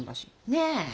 ねえ。